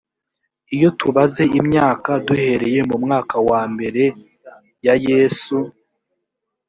iyo tubaze imyaka duhereye mu mwaka wa mbere ya yesu